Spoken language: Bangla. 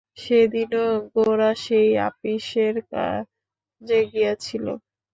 সেদিনও গোরা সেই আপিসের কাজে গিয়াছিল।